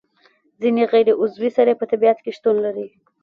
ځینې غیر عضوي سرې په طبیعت کې شتون لري.